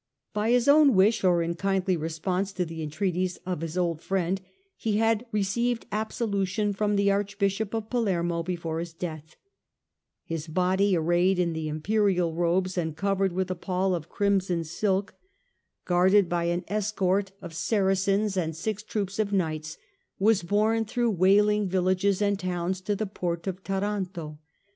z By his own wish, or in kindly response to the entreaties of his old friend, he had received absolution from the Archbishop of Palermo before his death. His body, arrayed in the Imperial robes and covered with a pall of crimson silk, guarded by an escort of 1 Matthew Paris. 2 Matthew Paris. 278 STUPOR MUNDI Saracens and six troops of knights, was borne through wailing villages and towns to the Port of Taranto.